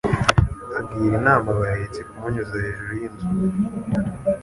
Agira inama abahetsi kumunyuza hejuru y'inzu.